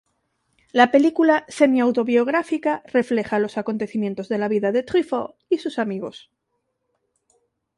La película semi-autobiográfica refleja los acontecimientos de la vida de Truffaut y sus amigos.